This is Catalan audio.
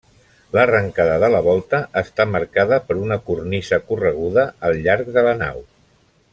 L'arrencada de la volta està marcada per una cornisa correguda al llarg de la nau.